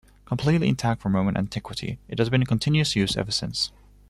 Completely intact from Roman antiquity, it has been in continuous use ever since.